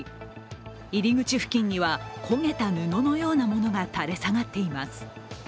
入り口付近には焦げた布のようなものが垂れ下がっています。